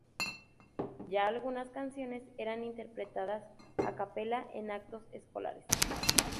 Ya algunas canciones eran interpretadas a cappella en actos escolares.